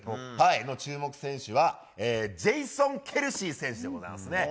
注目選手は、ジェイソン・ケルシー選手でございますね。